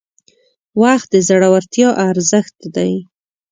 • وخت د زړورتیا ارزښت دی.